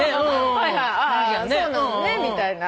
はいはいああああそうなのねみたいな。